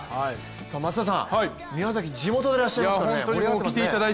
松田さん、宮崎、地元でいらっしゃいますからね盛り上がってますね。